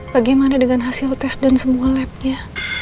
bagaimana dengan hasil tes dan semua labnya